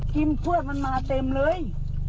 กิมเพื่อนมันมาเต็มเลย